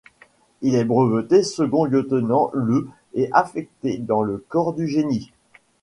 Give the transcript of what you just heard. Il est breveté second lieutenant le et affecté dans le corps du génie.